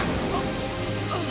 あっ。